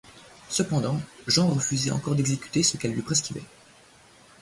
Cependant, Jean refusait encore d'exécuter ce qu'elle lui prescrivait.